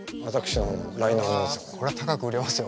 ああこれは高く売れますよ。